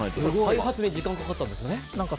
開発に時間がかかったんですよね。